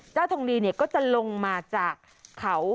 เจ้าทองดีก็จะลงมาจากเขา